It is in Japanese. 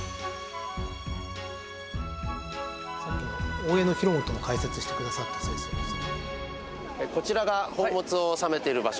「さっきの大江広元の解説をしてくださった先生ですね」